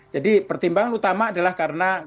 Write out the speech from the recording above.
jadi pertimbangan utama adalah karena